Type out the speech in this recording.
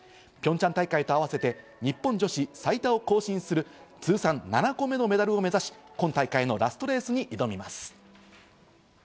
ピョンチャン大会と合わせて日本女子最多を更新する通算７個目のメダルを目指し、今大会のラストレースに挑みます。